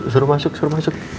suruh masuk suruh masuk